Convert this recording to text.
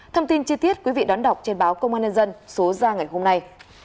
thông tin chi tiết quý vị đón đọc trên báo công an nhân dân số ra ngày hôm nay